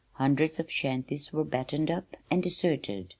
Hundreds of shanties were battened up and deserted.